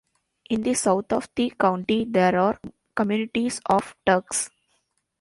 In the south of the county there are communities of Turks.